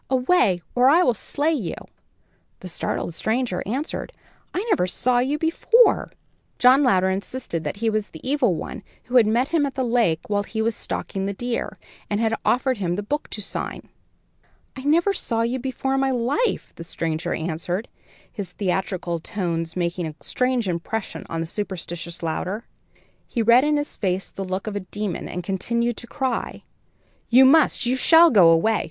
away! or I will slay you!" The startled stranger answered: "I never saw you before." John Louder insisted that he was the evil one who had met him at the lake while he was stalking the deer, and had offered him the book to sign. "I never saw you before in my life," the stranger answered, his theatrical tones making a strange impression on the superstitious Louder. He read in his face the look of a demon, and continued to cry: "You must, you shall go away!